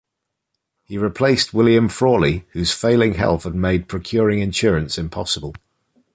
He replaced William Frawley, whose failing health had made procuring insurance impossible.